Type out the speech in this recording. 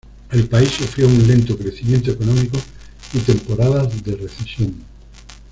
El país sufrió un lento crecimiento económico y temporadas de recesión.